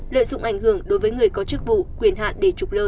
lợi dụng ảnh hưởng đối với người có chức vụ quyền hạn để trục lợi